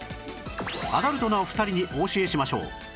アダルトなお二人にお教えしましょう